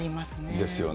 ですよね。